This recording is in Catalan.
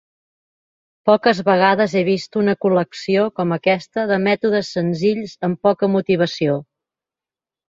Poques vegades he vist una col·lecció com aquesta de mètodes senzills amb poca motivació.